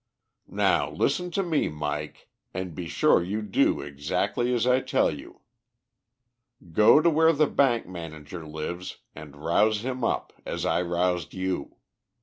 "Now listen to me, Mike, and be sure you do exactly as I tell you. Go to where the bank manager lives and rouse him up as I roused you.